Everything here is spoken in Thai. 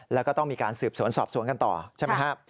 แล้วก็ต้องมีการสืบสวนสอบสวนกันต่อใช่ไหมครับ